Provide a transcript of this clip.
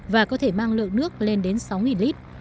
và có thể mang lượng nước lên đến sáu lít